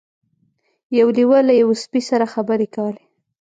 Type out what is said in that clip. یو لیوه له یوه سپي سره خبرې کولې.